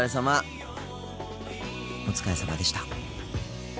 お疲れさまでした。